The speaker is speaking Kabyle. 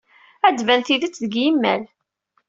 Ad d-tban tidet deg yimal.